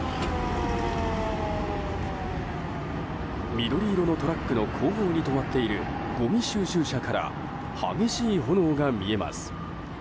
緑色のトラックの後方に止まっている、ごみ収集車から激しい炎が見えます。